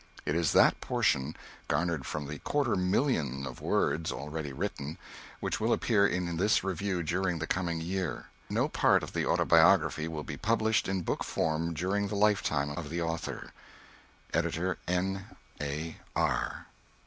It is that portion, garnered from the quarter million of words already written, which will appear in this REVIEW during the coming year. No part of the autobiography will be published in book form during the lifetime of the author. EDITOR N. A. R.